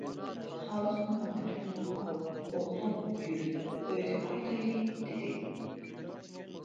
خالىق مۇھەممەد ئۇنىڭغا:‹‹ ئوغلۇم، يۈر، ئۆيگە قايتايلى››، دېدى.